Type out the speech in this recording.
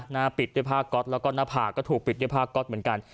หน้าปิดด้วยผ้าก๊อตแล้วก็หน้าผากก็ถูกปิดด้วยผ้าก๊อตเหมือนกัน